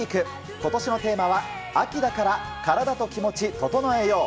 今年のテーマは秋だから体と気持ち整えよう。